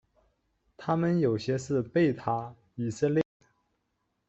他们有些是贝塔以色列。